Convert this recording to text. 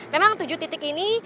memang tujuh titik ini